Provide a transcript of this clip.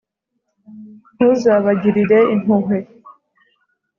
ntuzabagirire impuhwe.